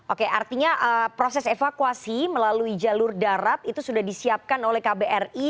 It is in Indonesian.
oke artinya proses evakuasi melalui jalur darat itu sudah disiapkan oleh kbri